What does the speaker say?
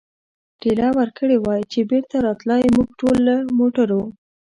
ټېله ورکړې وای، چې بېرته را وتلای، موږ ټول له موټرو.